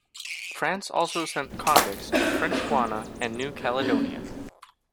France also sent convicts to French Guiana and New Caledonia.